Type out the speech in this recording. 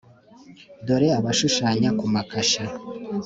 Dore abashushanya ku makashe,